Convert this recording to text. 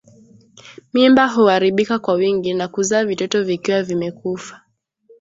Mimba kuharibika kwa wingi na kuzaa vitoto vikiwa vimekufa